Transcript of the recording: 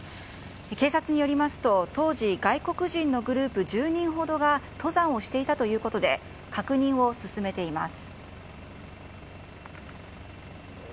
警察によりますと当時、外国人のグループ１０人ほどが登山をしていたということで確認を進めています。